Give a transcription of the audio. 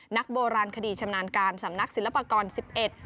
นักโบราณคดีชำนาญการสำนักศิลปากรสิบเอ็ด